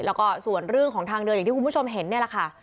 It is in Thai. แล้วก็ส่วนเรื่องของทางเดินอย่างที่คุณผู้ชมเห็นนี่แหละค่ะ